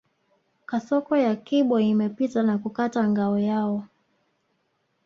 Kasoko ya kibo imepita na kukata ngao hiyo